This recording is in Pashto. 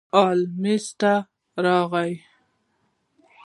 ال میز ته راغی.